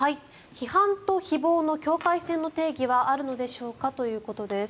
批判と誹謗の境界線の定義はあるのでしょうか？ということです。